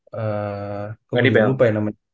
pemain lupa ya namanya